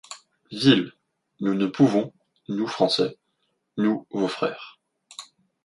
Villes ! nous ne pouvons, nous français, nous vos frères